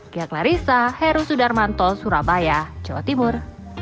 kia klarissa heru sudarmanto surabaya jawa timur